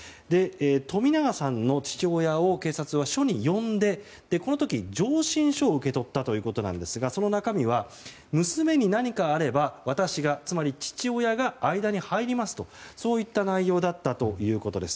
冨永さんの父親を警察は署に呼んでこの時、上申書を受け取ったということですがその中身は、娘に何かあれば私がつまり父親が間に入りますとそういった内容だったということです。